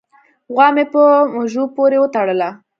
غوا مې په مږوي پورې و تړله